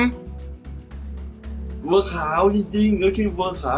บัวขาวจริงไม่ใช่บัวขาว